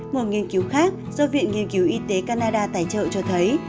một nghiên cứu khác do viện nghiên cứu y tế canada tài trợ cho thấy